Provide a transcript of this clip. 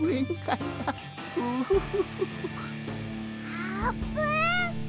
あーぷん。